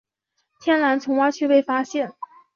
天蓝丛蛙区被发现。